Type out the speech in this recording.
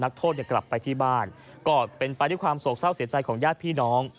นักโทษกลับไปที่บ้านกอเป็นไปที่ความสกเศร้าเสียใจของยาตัวพี่น้อง